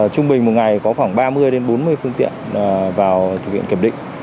trung bình một ngày có khoảng ba mươi bốn mươi phương tiện vào thực hiện kiểm định